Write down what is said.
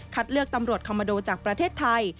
เลือกตำรวจคอมมาโดจากประเทศไทย